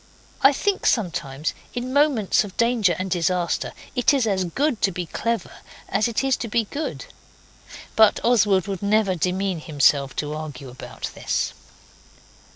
I think sometimes, in moments of danger and disaster, it is as good to be clever as it is to be good. But Oswald would never demean himself to argue about this.